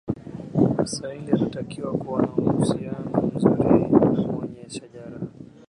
msaili anatakiwa kuwa na uhusiano mzuri na mwenye shajara